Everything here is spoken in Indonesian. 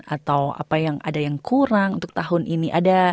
atau apa yang ada yang kurang untuk tahun ini